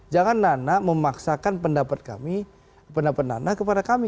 jangan nanda memaksakan pendapat kami pendapat nanda kepada kami